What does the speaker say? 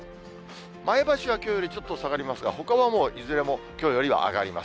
前橋はきょうよりちょっと下がりますが、ほかはもういずれもきょうよりは上がります。